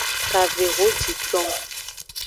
Kavehociton.